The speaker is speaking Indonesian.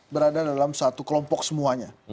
berada dalam satu kelompok semuanya